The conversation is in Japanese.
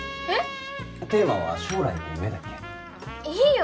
えっ？